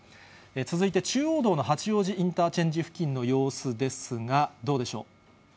続いて、中央道の八王子インターチェンジ付近の様子ですが、どうでしょう。